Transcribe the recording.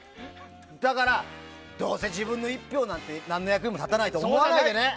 だから、どうせ自分の１票なんて何の役にも立たないとか思わないでね。